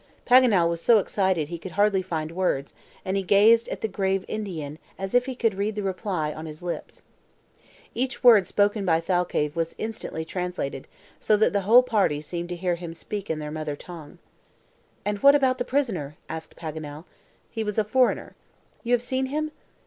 Paganel was so excited, he could hardly find words, and he gazed at the grave Indian as if he could read the reply on his lips. Each word spoken by Thalcave was instantly translated, so that the whole party seemed to hear him speak in their mother tongue. "And what about the prisoner?" asked Paganel. "He was a foreigner." "You have seen him?"